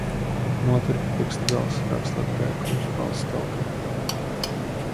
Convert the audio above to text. Notirpa pirksta gals, rakstot teikumus balsu talkā.